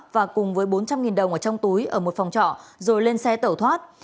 và cùng với bốn trăm linh đồng ở trong túi ở một phòng trọ rồi lên xe tẩu thoát